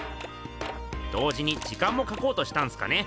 同時に時間もかこうとしたんすかね。